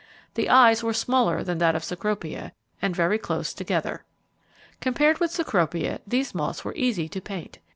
The eyes were smaller than those of Cecropia, and very close together. Compared with Cecropia these moths were very easy to paint.